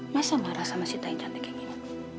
masa marah sama sita yang cantik kayak gini